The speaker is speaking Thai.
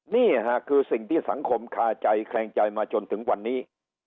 นี่ค่ะคือสิ่งที่สังคมคาใจแคลงใจมาจนถึงวันนี้